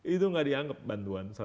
itu gak dianggap bantuan